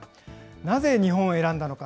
なぜ日本を選んだのか。